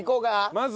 まず。